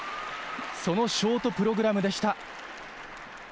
そのショートプログラムでした。